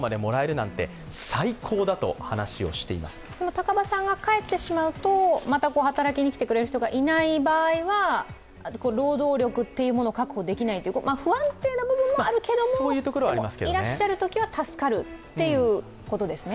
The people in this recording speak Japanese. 高羽さんが帰ってしまうと、また働きに来てくれる人がいない場合は労働力というものを確保できない不安定な部分もあるけどもいらっしゃるときは助かるということですね。